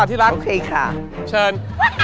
เชิญ